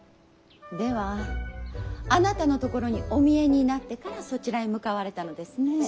ではあなたのところにお見えになってからそちらへ向かわれたのですね。